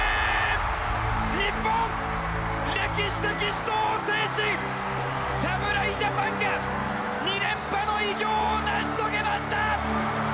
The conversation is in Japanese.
日本、歴史的死闘を制し侍ジャパンが２連覇の偉業を成し遂げました！